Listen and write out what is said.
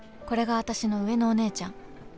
［これがあたしの上のお姉ちゃん。